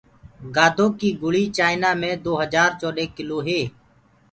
گآڌو ڪيٚ گُݪيٚ چآئنآ مي دو هجآر چوڏي ڪلو هي